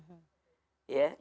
bertemu dengan orang tuanya